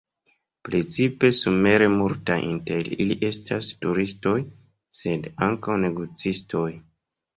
Precipe somere multaj inter ili estas turistoj, sed ankaŭ negocistoj.